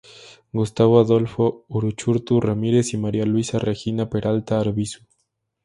Gustavo Adolfo Uruchurtu Ramírez y María Luisa Regina Peralta Arvizu.